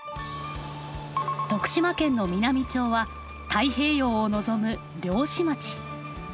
徳島県の美波町は太平洋を望む漁師町。